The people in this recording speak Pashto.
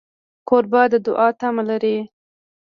کوربه د دوعا تمه لري.